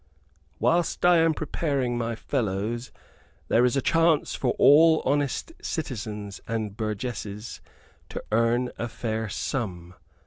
"Whilst I am preparing my fellows, there is a chance for all honest citizens and burgesses to earn a fair sum.